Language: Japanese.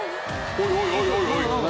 おいおいおいおい。